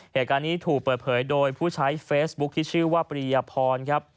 เหตุการณ์นี้ถูกเปิดเผยโดยผู้ใช้เฟซบุ๊คที่ชื่อว่าปริยพรครับ